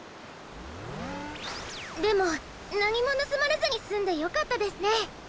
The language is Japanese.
でもなにもぬすまれずにすんでよかったですね。